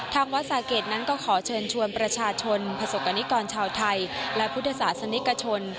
ทางวัดสาเกตนั้นก็ขอเชิญชวนประชาชนประสบกรณิกรชาวไทยและพุทธศาสนิกชน